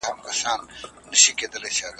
او علمي میتود ولاړ وي